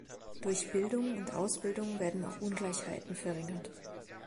Durch Bildung und Ausbildung werden auch Ungleichheiten verringert.